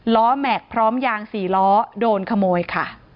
ล้อแมกพร้อมยางสี่ล้อโดนขโมยค่ะ